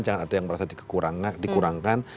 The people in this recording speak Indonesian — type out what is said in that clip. jangan ada yang merasa dikurangkan